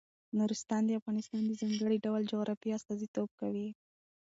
نورستان د افغانستان د ځانګړي ډول جغرافیه استازیتوب کوي.